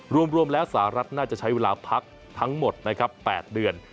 รวมรวมแล้วที่สารัฐน่าจะใช้เวลาพักทั้งหมด๘เดือน